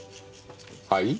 はい？